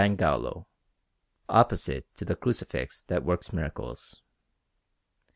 Gallo, opposite to the Crucifix that works miracles.